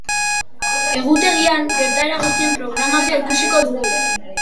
Egutegian, gertaera guztien programazioa ikusiko dugu.